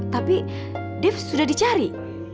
tapi dev sudah dicari